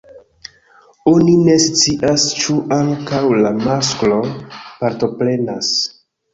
Oni ne scias ĉu ankaŭ la masklo partoprenas.